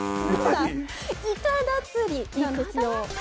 いかだつりなんですよ。